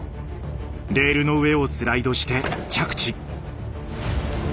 レールの上をスライドして着地。